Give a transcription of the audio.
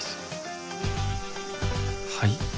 はい？